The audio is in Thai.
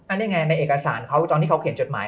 อันนี้ไงในเอกสารเขาตอนที่เขาเขียนจดหมาย